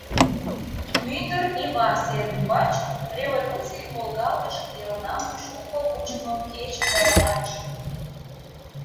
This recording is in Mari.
Мӱндыр Нева сер ӱмбач революций волгалтыш элнам шуко вучымо кече гай лач.